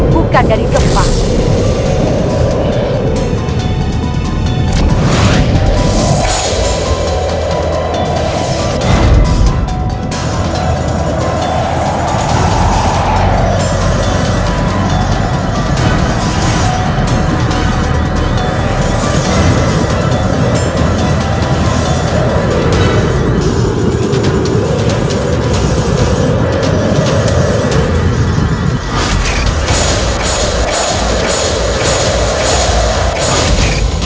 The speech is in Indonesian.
bukan dari tempat